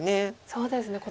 そうですね